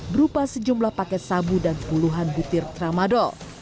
berupa sejumlah paket sabu dan puluhan butir tramadol